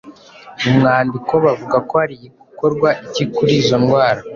Mu mwandiko bavuga ko hari gukorwa iki kuri izo ndwara?